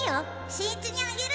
新一にあげる！